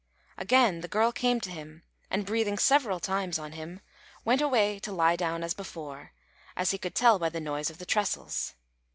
Again the girl came to him, and breathing several times on him, went away to lie down as before, as he could tell by the noise of the trestles.